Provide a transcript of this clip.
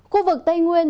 khu vực tây nguyên